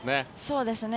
そうですね。